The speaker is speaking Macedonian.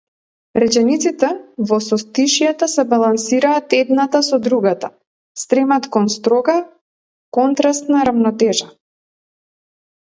Речениците во состишјата се балансираат едната со другата, стремат кон строга, контрастна рамнотежа.